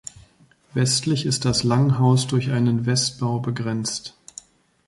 Westlich ist das Langhaus durch einen Westbau begrenzt.